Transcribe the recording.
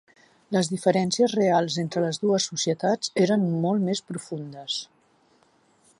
Les diferències reals entre les dues societats eren molt més profundes.